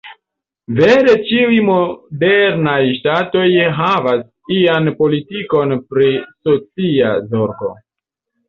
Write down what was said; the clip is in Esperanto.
Vere ĉiuj modernaj ŝtatoj havas ian politikon pri socia zorgo.